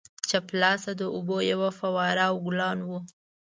چپ لاسته د اوبو یوه فواره او ګلان وو.